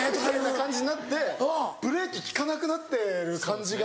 感じになってブレーキ利かなくなってる感じが。